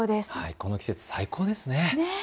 この季節、最高ですね。